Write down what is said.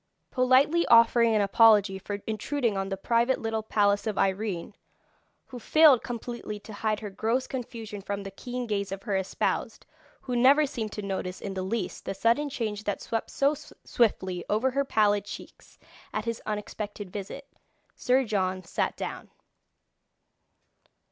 Politely offering an apology for intruding on the private little palace of Irene, who failed completely to hide her gross confusion from the keen gaze of her espoused, who never seemed to notice in the least the sudden change that swept so swiftly over her pallid cheeks at his unexpected visit, Sir John sat down.